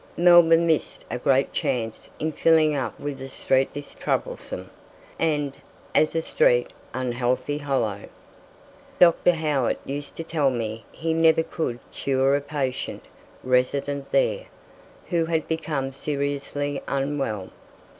Melbourne missed a great chance in filling up with a street this troublesome, and, as a street, unhealthy hollow. Dr. Howitt used to tell me he never could cure a patient, resident there, who had become seriously unwell.